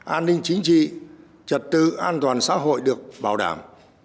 an ninh chính trị trật tự an toàn xã hội được bảo đảm